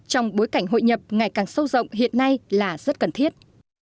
trong bối cảnh hội nhập ngày càng sâu rộng hiện nay là rất cần thiết